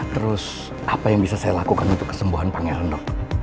terus apa yang bisa saya lakukan untuk kesembuhan pangeran dok